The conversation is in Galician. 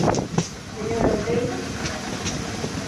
¿Señora Uceira?